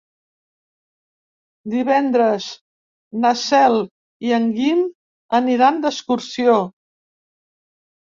Divendres na Cel i en Guim aniran d'excursió.